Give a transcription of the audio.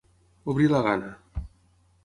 Obrir la gana.